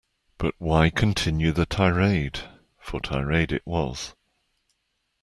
But why continue the tirade, for tirade it was.